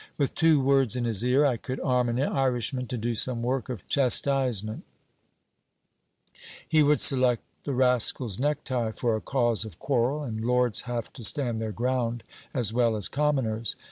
With two words in his ear, I could arm an Irishman to do some work of chastisement: he would select the rascal's necktie for a cause of quarrel and lords have to stand their ground as well as commoners.